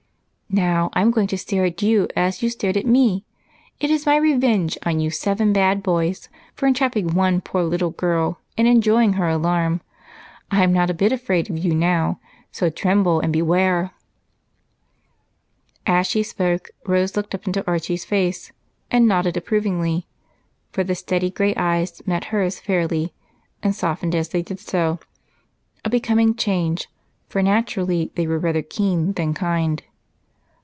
"Now, I'm going to stare at you as you stared at me. It is my revenge on you seven bad boys for entrapping one poor little girl and enjoying her alarm. I'm not a bit afraid of you now, so tremble and beware!" As she spoke, Rose looked up into Archie's face and nodded approvingly, for the steady gray eyes met hers fairly and softened as they did so a becoming change, for naturally they were rather keen than kind.